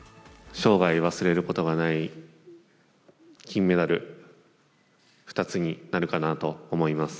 生涯忘れることがない、金メダル２つになるかなと思います。